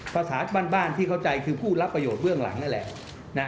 ภาษาบ้านที่เข้าใจคือผู้รับประโยชนเบื้องหลังนั่นแหละ